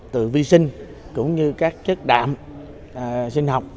tự vi sinh cũng như các chất đạm sinh học